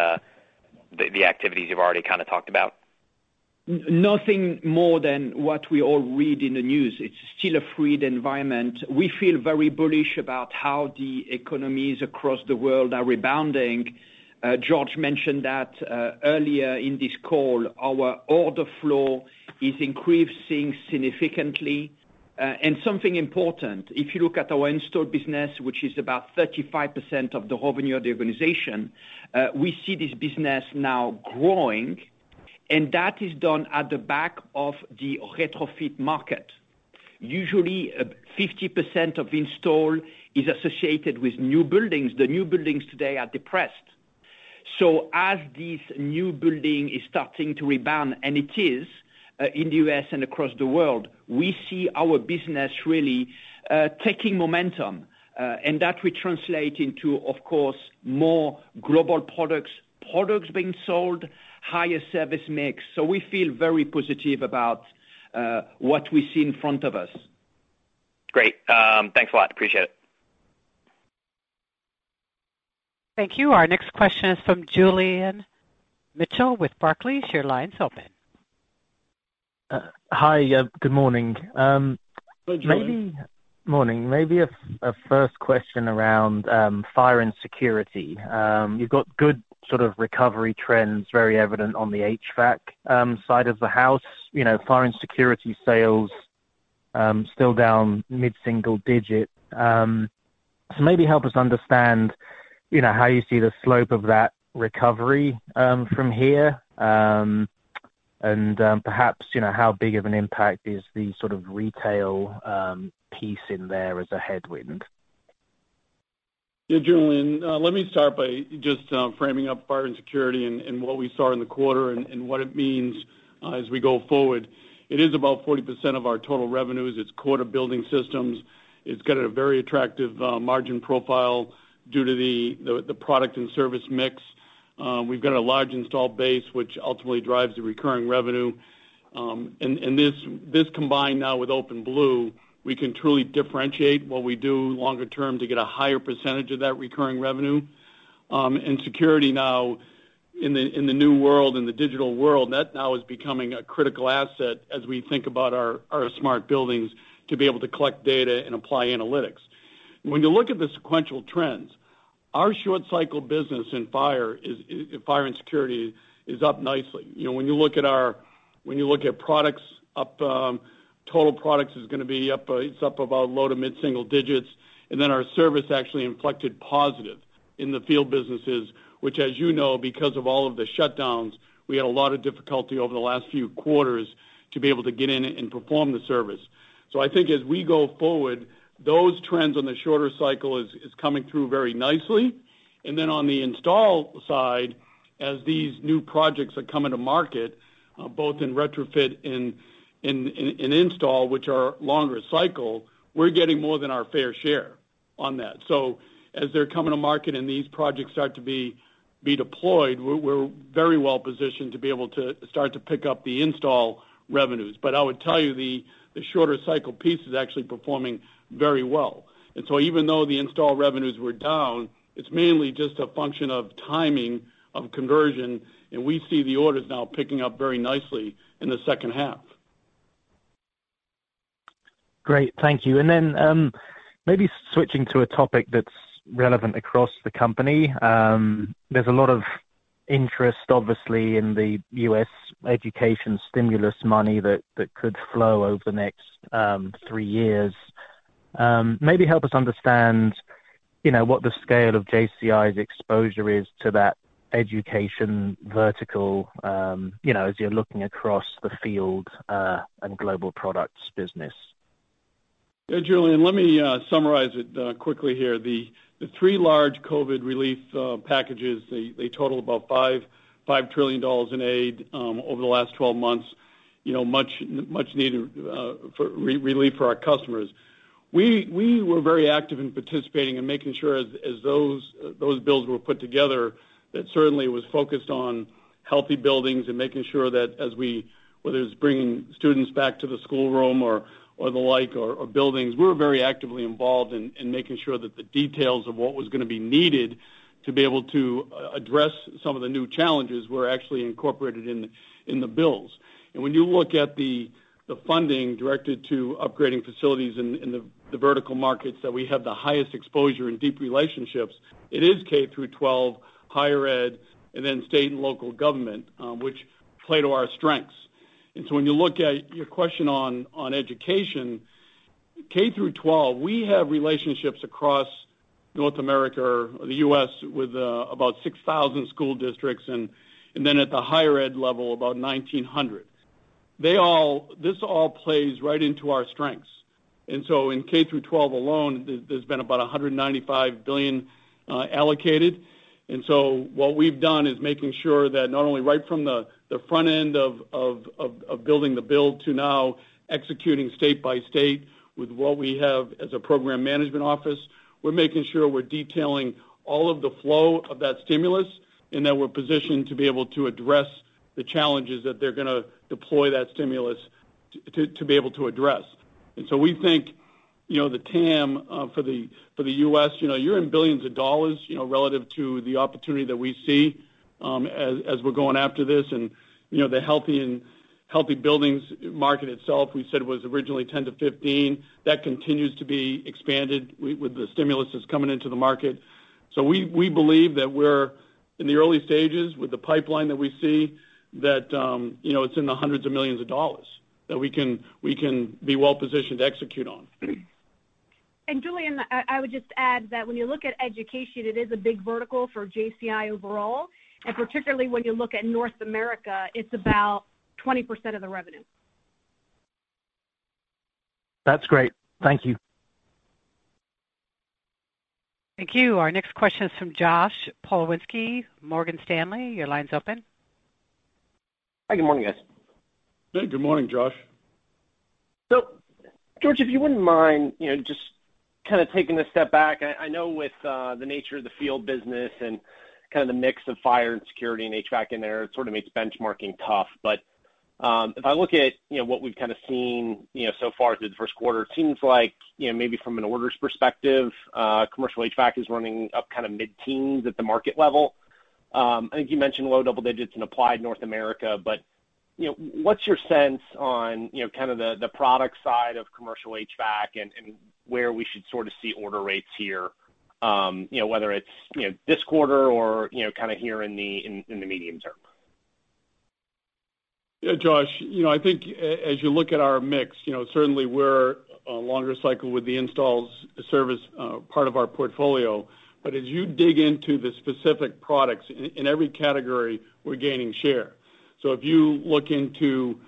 the activities you've already kind of talked about? Nothing more than what we all read in the news. It's still a fluid environment. We feel very bullish about how the economies across the world are rebounding. George mentioned that earlier in this call, our order flow is increasing significantly. Something important, if you look at our install business, which is about 35% of the revenue of the organization, we see this business now growing, and that is done at the back of the retrofit market. Usually, 50% of install is associated with new buildings. The new buildings today are depressed. As this new building is starting to rebound, and it is, in the U.S. and across the world, we see our business really taking momentum. That will translate into, of course, more global products being sold, higher service mix. We feel very positive about what we see in front of us. Great. Thanks a lot. Appreciate it. Thank you. Our next question is from Julian Mitchell with Barclays. Your line's open. Hi. Good morning. Hi, Julian. Morning. A first question around fire and security. You've got good sort of recovery trends very evident on the HVAC side of the house. Fire and security sales still down mid-single digit. Maybe help us understand how you see the slope of that recovery from here. Perhaps, how big of an impact is the sort of retail piece in there as a headwind? Yeah, Julian, let me start by just framing up fire and security and what we saw in the quarter and what it means as we go forward. It is about 40% of our total revenues. It's core to building systems. It's got a very attractive margin profile due to the product and service mix. We've got a large install base, which ultimately drives the recurring revenue. This combined now with OpenBlue, we can truly differentiate what we do longer term to get a higher percentage of that recurring revenue. Security now in the new world, in the digital world, that now is becoming a critical asset as we think about our smart buildings to be able to collect data and apply analytics. When you look at the sequential trends, our short cycle business in fire and security is up nicely. When you look at products, total products is going to be up about low to mid-single digits. Our service actually inflected positive in the field businesses, which as you know, because of all of the shutdowns, we had a lot of difficulty over the last few quarters to be able to get in and perform the service. I think as we go forward, those trends on the shorter cycle is coming through very nicely. On the install side, as these new projects are coming to market, both in retrofit and in install, which are longer cycle, we're getting more than our fair share on that. As they're coming to market and these projects start to be deployed, we're very well positioned to be able to start to pick up the install revenues. I would tell you, the shorter cycle piece is actually performing very well. Even though the install revenues were down, it's mainly just a function of timing of conversion, and we see the orders now picking up very nicely in the second half. Great. Thank you. Maybe switching to a topic that's relevant across the company. There's a lot of interest, obviously, in the U.S. education stimulus money that could flow over the next three years. Maybe help us understand what the scale of JCI's exposure is to that education vertical as you're looking across the field and global products business. Yeah, Julian, let me summarize it quickly here. The three large COVID relief packages, they total about $5 trillion in aid over the last 12 months, much needed relief for our customers. We were very active in participating and making sure as those bills were put together, that certainly was focused on healthy buildings and making sure that as we, whether it's bringing students back to the schoolroom or the like, or buildings, we're very actively involved in making sure that the details of what was going to be needed to be able to address some of the new challenges were actually incorporated in the bills. When you look at the funding directed to upgrading facilities in the vertical markets, that we have the highest exposure and deep relationships, it is K through 12, higher ed, and then state and local government, which play to our strengths. When you look at your question on education, K through 12, we have relationships across North America or the U.S. with about 6,000 school districts, and then at the higher ed level, about 1,900. This all plays right into our strengths. In K through 12 alone, there's been about $195 billion allocated. What we've done is making sure that not only right from the front end of building the build to now executing state by state with what we have as a program management office, we're making sure we're detailing all of the flow of that stimulus and that we're positioned to be able to address the challenges that they're going to deploy that stimulus to be able to address. We think, the TAM for the U.S., you're in $ billions, relative to the opportunity that we see as we're going after this. The healthy buildings market itself, we said was originally $10 billion-$15 billion. That continues to be expanded with the stimulus that's coming into the market. We believe that we're in the early stages with the pipeline that we see that it's in the $ hundreds of millions that we can be well positioned to execute on. Julian, I would just add that when you look at education, it is a big vertical for JCI overall. Particularly when you look at North America, it's about 20% of the revenue. That's great. Thank you. Thank you. Our next question is from Josh Pokrzywinski, Morgan Stanley. Your line's open. Hi, good morning, guys. Good morning, Josh. George, if you wouldn't mind, just kind of taking a step back. I know with the nature of the field business and kind of the mix of fire and security and HVAC in there, it sort of makes benchmarking tough. If I look at what we've kind of seen so far through the first quarter, it seems like, maybe from an orders perspective, commercial HVAC is running up kind of mid-teens at the market level. I think you mentioned low double digits in applied North America. What's your sense on kind of the product side of commercial HVAC and where we should sort of see order rates here? Whether it's this quarter or kind of here in the medium term. Josh, I think as you look at our mix, certainly we're a longer cycle with the installs service part of our portfolio. As you dig into the specific products in every category, we're gaining share. If you look into,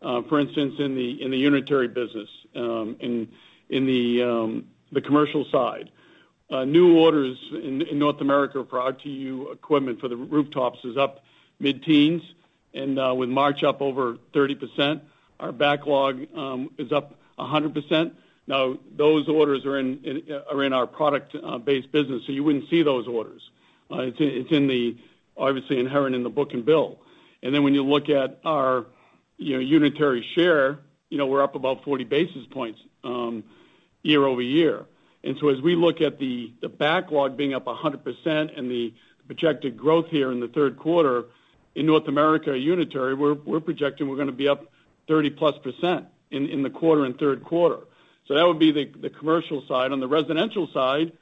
for instance, in the unitary business, in the commercial side. New orders in North America for RTU equipment for the rooftops is up mid-teens, and with March up over 30%, our backlog is up 100%. Now, those orders are in our product-based business, so you wouldn't see those orders. It's obviously inherent in the book and bill. When you look at our unitary share, we're up about 40 basis points year-over-year. As we look at the backlog being up 100% and the projected growth here in the third quarter in North America unitary, we're projecting we're going to be up 30%+ in the quarter, in third quarter. On the residential side,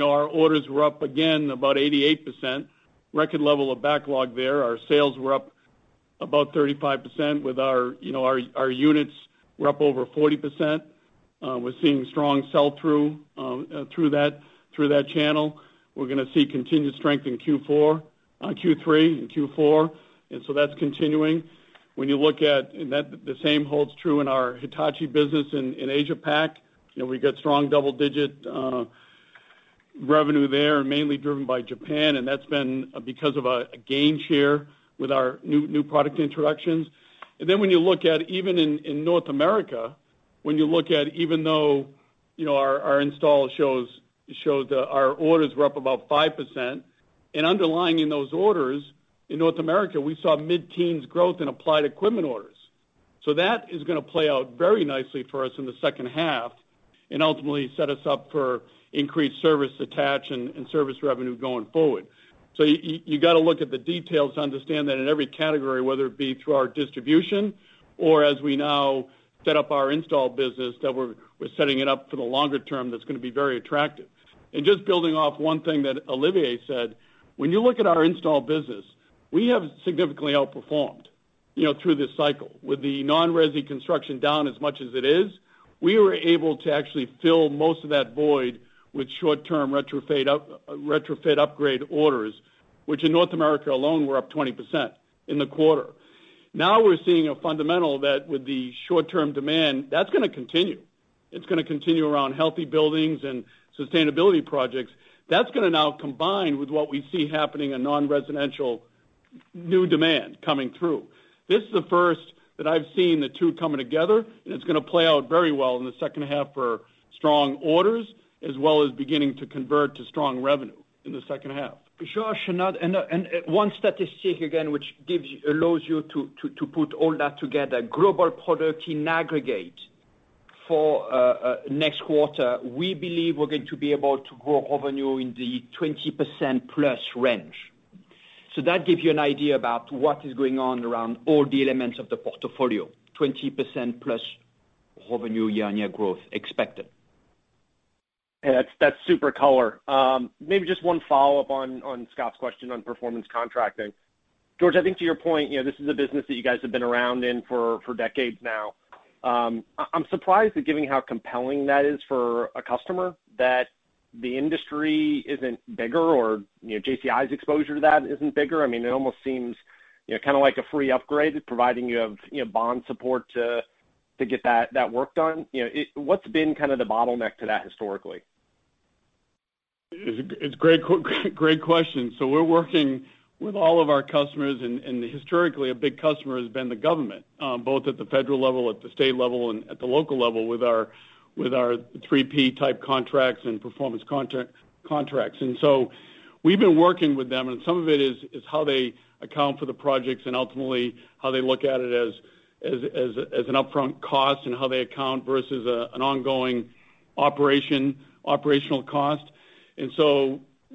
our orders were up again about 88%, record level of backlog there. Our sales were up about 35% with our units were up over 40%. We're seeing strong sell-through through that channel. We're going to see continued strength in Q3 and Q4, that's continuing. The same holds true in our Hitachi business in Asia Pac. We get strong double-digit revenue there, mainly driven by Japan, and that's been because of a gain share with our new product introductions. When you look at, even in North America, when you look at even though our install shows our orders were up about 5%, and underlying in those orders in North America, we saw mid-teens growth in applied equipment orders. That is going to play out very nicely for us in the second half and ultimately set us up for increased service attach and service revenue going forward. You got to look at the details to understand that in every category, whether it be through our distribution or as we now set up our install business, that we're setting it up for the longer term that's going to be very attractive. Just building off one thing that Olivier said, when you look at our install business, we have significantly outperformed through this cycle. With the non-resi construction down as much as it is, we were able to actually fill most of that void with short-term retrofit upgrade orders, which in North America alone were up 20% in the quarter. Now we're seeing a fundamental that with the short-term demand, that's going to continue. It's going to continue around healthy buildings and sustainability projects. That's going to now combine with what we see happening in non-residential new demand coming through. This is the first that I've seen the two coming together, and it's going to play out very well in the second half for strong orders, as well as beginning to convert to strong revenue in the second half. Josh, one statistic again, which allows you to put all that together. Global product in aggregate for next quarter, we believe we're going to be able to grow revenue in the 20%+ range. That gives you an idea about what is going on around all the elements of the portfolio, 20%+ revenue year-on-year growth expected. That's super color. Maybe just one follow-up on Scott's question on performance contracting. George, I think to your point, this is a business that you guys have been around in for decades now. I'm surprised that given how compelling that is for a customer, that the industry isn't bigger or JCI's exposure to that isn't bigger. It almost seems like a free upgrade, providing you have bond support to get that work done. What's been the bottleneck to that historically? It's a great question. We're working with all of our customers, and historically a big customer has been the government, both at the federal level, at the state level, and at the local level, with our 3P type contracts and performance contracts. We've been working with them, and some of it is how they account for the projects and ultimately how they look at it as an upfront cost and how they account versus an ongoing operational cost.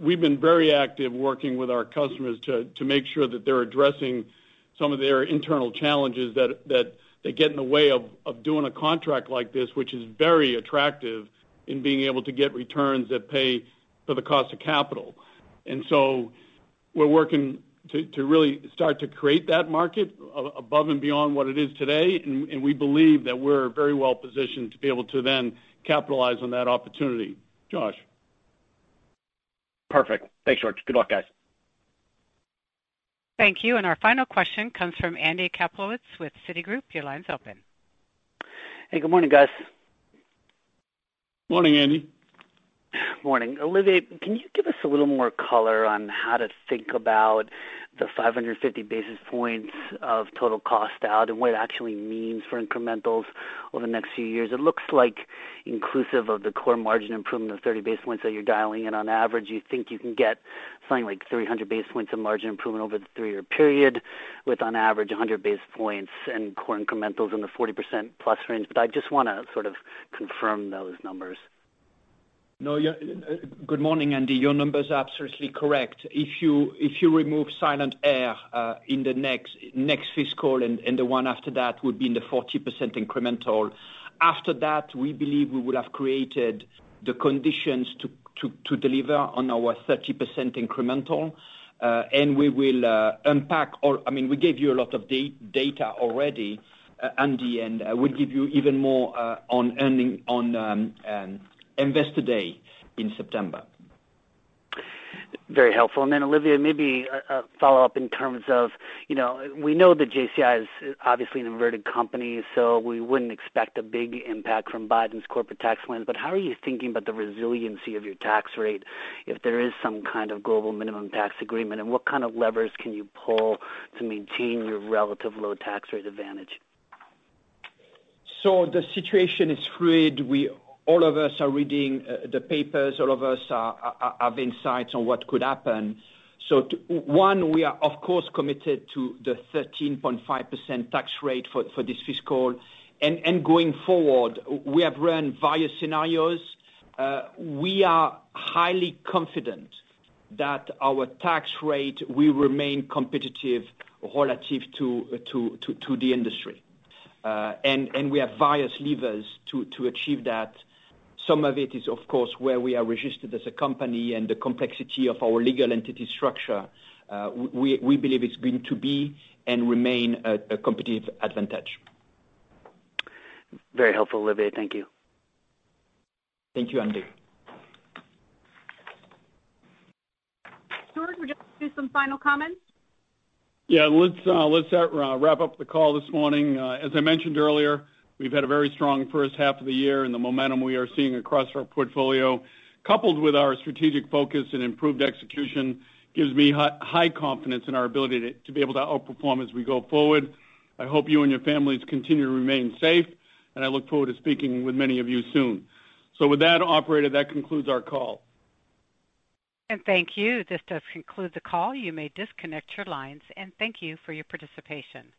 We've been very active working with our customers to make sure that they're addressing some of their internal challenges that get in the way of doing a contract like this, which is very attractive in being able to get returns that pay for the cost of capital. We're working to really start to create that market above and beyond what it is today, and we believe that we're very well positioned to be able to then capitalize on that opportunity. Josh. Perfect. Thanks, George. Good luck, guys. Thank you. Our final question comes from Andy Kaplowitz with Citigroup. Your line's open. Hey, good morning, guys. Morning, Andy. Morning. Olivier, can you give us a little more color on how to think about the 550 basis points of total cost out and what it actually means for incrementals over the next three years? It looks like inclusive of the core margin improvement of 30 basis points that you're dialing in on average, you think you can get something like 300 basis points of margin improvement over the three-year period, with on average 100 basis points and core incrementals in the 40%+ range. I just want to sort of confirm those numbers. No, good morning, Andy. Your numbers are absolutely correct. If you remove Silent-Aire in the next fiscal and the one after that would be in the 40% incremental. After that, we believe we would have created the conditions to deliver on our 30% incremental. We gave you a lot of data already, Andy, and we'll give you even more on Investor Day in September. Very helpful. Then Olivier, maybe a follow-up in terms of, we know that JCI is obviously an inverted company, so we wouldn't expect a big impact from Biden's corporate tax plans, but how are you thinking about the resiliency of your tax rate if there is some kind of global minimum tax agreement? What kind of levers can you pull to maintain your relative low tax rate advantage? The situation is fluid. All of us are reading the papers, all of us have insights on what could happen. One, we are of course committed to the 13.5% tax rate for this fiscal. Going forward, we have run various scenarios. We are highly confident that our tax rate will remain competitive relative to the industry. We have various levers to achieve that. Some of it is of course where we are registered as a company and the complexity of our legal entity structure. We believe it's going to be and remain a competitive advantage. Very helpful, Olivier. Thank you. Thank you, Andy. George, would you like to do some final comments? Yeah. Let's wrap up the call this morning. As I mentioned earlier, we've had a very strong first half of the year, and the momentum we are seeing across our portfolio, coupled with our strategic focus and improved execution, gives me high confidence in our ability to be able to outperform as we go forward. I hope you and your families continue to remain safe, and I look forward to speaking with many of you soon. With that, operator, that concludes our call. Thank you. This does conclude the call. You may disconnect your lines, and thank you for your participation.